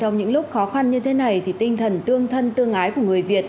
trong những lúc khó khăn như thế này thì tinh thần tương thân tương ái của người việt